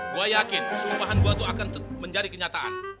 gue yakin sumpahan gue tuh akan menjadi kenyataan